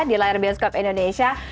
di layar bioskop indonesia